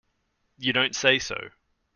You don't say so!